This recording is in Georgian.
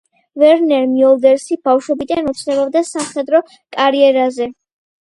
ვერნერ მიოლდერსი ბავშვობიდან ოცნებობდა სამხედრო კარიერაზე.